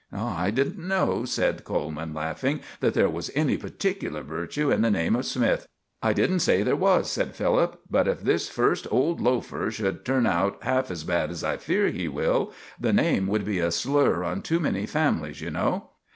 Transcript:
"I didn't know," said Coleman, laughing, "that there was any particular virtue in the name of Smith." "I didn't say there was," said Philip, "but if this first old loafer should turn out half as bad as I fear he will, the name would be a slur on too many families, you know.